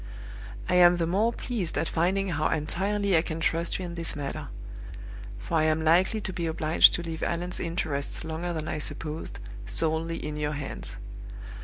"I am the more pleased at finding how entirely I can trust you in this matter; for I am likely to be obliged to leave Allan's interests longer than I supposed solely in your hands.